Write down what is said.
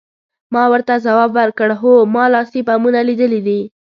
ما ورته ځواب ورکړ، هو، ما لاسي بمونه لیدلي دي.